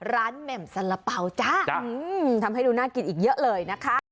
แหม่มสละเป๋าจ้าทำให้ดูน่ากินอีกเยอะเลยนะคะ